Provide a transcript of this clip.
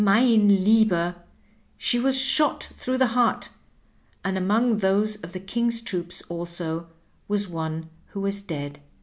Mein lAeber^ she was shot through the heart, and among those of the King's troops also was one who was dead."